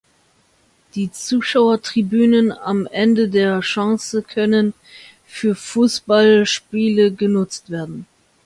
Die Zuschauertribünen am Ende der Schanze können für Fußballspiele genutzt werden.